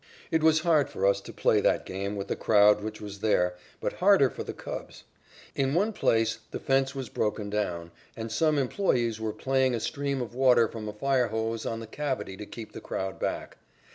It was hard for us to play that game with the crowd which was there, but harder for the Cubs. In one place, the fence was broken down, and some employees were playing a stream of water from a fire hose on the cavity to keep the crowd back.